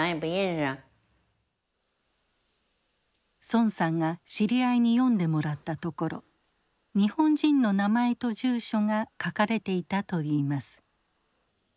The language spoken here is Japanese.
孫さんが知り合いに読んでもらったところ日本人の名前と住所が書かれていたといいます。